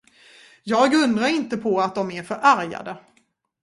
Jag undrar inte på att de är förargade.